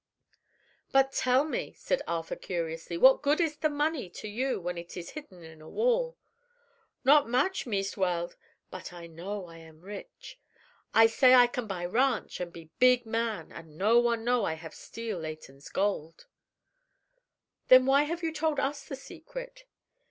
"But tell me," said Arthur curiously, "what good is the money to you when it is hidden in a wall?" "Not much, Meest Weld; but I know I am rich. I say I can buy ranch an' be big man, an' no one know I have steal Leighton's gold." "Then why have you told us the secret?"